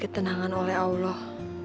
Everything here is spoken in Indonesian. menyenangkan oleh allah